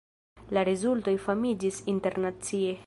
La rezultoj famiĝis internacie.